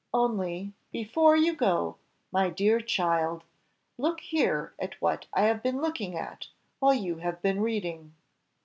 "Only, before you go, my dear child, look here at what I have been looking at while you have been reading."